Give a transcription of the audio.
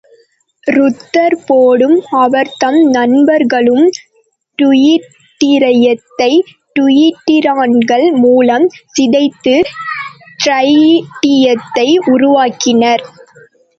ரூதர்போர்டும் அவர்தம் நண்பர்களும் டியூட்டிரியத்தை டியூட்ரான்கள் மூலம் சிதைத்து ட்ரைடியத்தை உருவாக்கினர்.